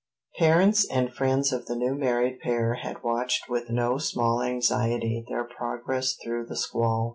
Parents and friends of the new married pair had watched with no small anxiety their progress through the squall.